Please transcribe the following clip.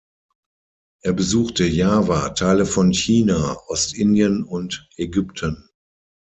Er besuchte Java, Teile von China, Ostindien und Ägypten.